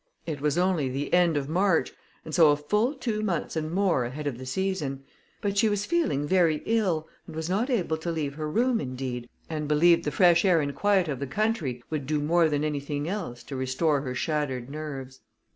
It was only the end of March, and so a full two months and more ahead of the season; but she was feeling very ill, was not able to leave her room, indeed, and believed the fresh air and quiet of the country would do more than anything else to restore her shattered nerves.